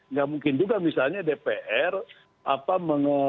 nggak mungkin juga misalnya dpr